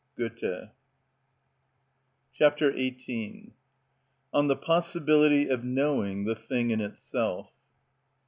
—Goethe. Chapter XVIII.(29) On The Possibility Of Knowing The Thing In Itself.